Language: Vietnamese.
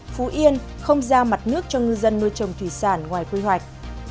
phú yên không ra mặt nước cho ngư dân nuôi trồng thủy sản ngoài quy hoạch